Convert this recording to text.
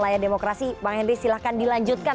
layar demokrasi bang henry silahkan dilanjutkan